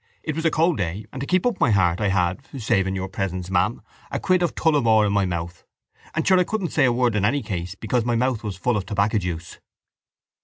It was a cold day and to keep up my heart I had (saving your presence, ma'am) a quid of Tullamore in my mouth and sure I couldn't say a word in any case because my mouth was full of tobacco juice.